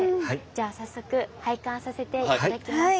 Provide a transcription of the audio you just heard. じゃあ早速拝観させて頂きましょう。